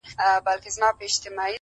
سترگه وره مي په پت باندي پوهېږي’